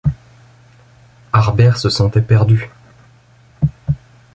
Harbert se sentait perdu !